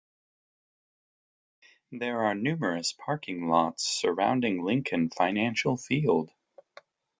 There are numerous parking lots surrounding Lincoln Financial Field.